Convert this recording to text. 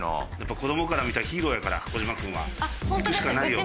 子供から見たらヒーローやから小島君は。ホントです。